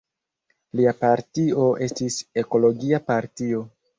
Lia partio estis Ekologia partio.